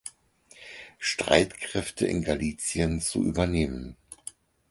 Streitkräfte in Galizien zu übernehmen.